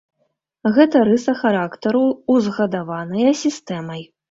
Гэта рыса характару, узгадаваная сістэмай.